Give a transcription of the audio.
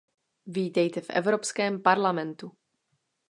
Vítejte v Evropském parlamentu!